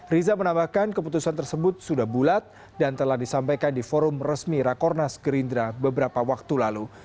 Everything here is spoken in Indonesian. riza menambahkan keputusan tersebut sudah bulat dan telah disampaikan di forum resmi rakornas gerindra beberapa waktu lalu